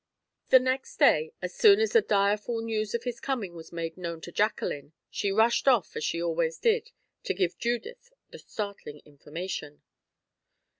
The next day, as soon as the direful news of his coming was made known to Jacqueline, she rushed off, as she always did, to give Judith the startling information.